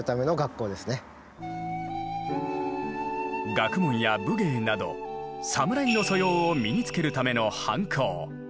学問や武芸など侍の素養を身につけるための藩校弘道館が現存。